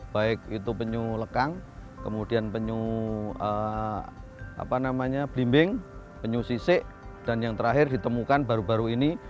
baik itu penyu lekang kemudian penyu belimbing penyu sisik dan yang terakhir ditemukan baru baru ini